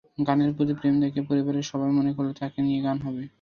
গানের প্রতি প্রেম দেখে পরিবারের সবাই মনে করল তাঁকে দিয়ে গান হবে।